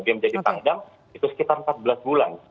dia menjadi pangdam itu sekitar empat belas bulan